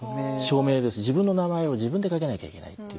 自分の名前を自分で書けなきゃいけない。